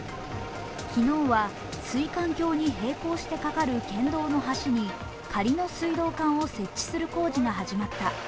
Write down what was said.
昨日は水管橋に並行してかかる県道の橋に仮の水道管を設置する工事が始まった。